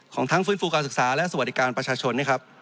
ทั้งฟื้นฟูการศึกษาและสวัสดิการประชาชนนะครับ